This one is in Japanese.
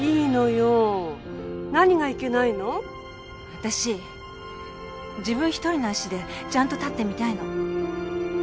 私自分一人の足でちゃんと立ってみたいの。